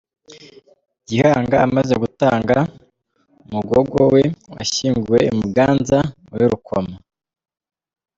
Gihanga amaze gutanga, umugogo we washyinguwe i Muganza muri Rukoma.